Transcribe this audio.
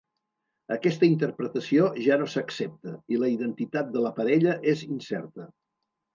Aquesta interpretació ja no s'accepta, i la identitat de la parella és incerta.